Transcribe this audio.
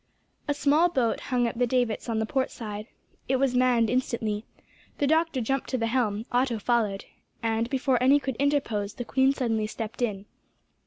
A small boat hung at the davits on the port side. It was manned instantly. The doctor jumped to the helm, Otto followed, and, before any could interpose, the queen suddenly stepped in.